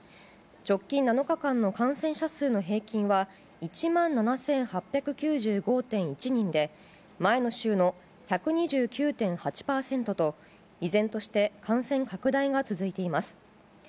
直近７日間の感染者数の平均は１万７８９５．１人で前の週の１２９．８％と依然として感染拡大が続いています。